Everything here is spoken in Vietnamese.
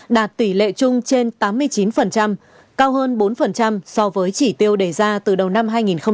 đạt tỷ lệ chung trên tám mươi chín cao hơn bốn so với chỉ tiêu đề ra từ đầu năm hai nghìn một mươi chín